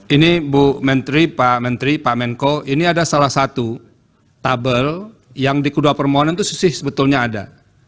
ini bu menteri pak menteri pak menko ini ada salah satu tabel yang di kedua permohonan itu sisih sebetulnya ada